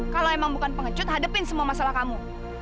kalau emang bukan pengecut hadepin semua masalah kamu